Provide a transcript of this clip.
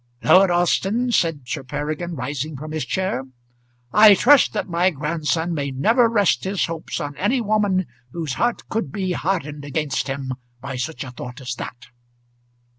"Lord Alston," said Sir Peregrine, rising from his chair, "I trust that my grandson may never rest his hopes on any woman whose heart could be hardened against him by such a thought as that."